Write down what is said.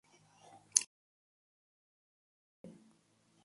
Se distribuye por Chile.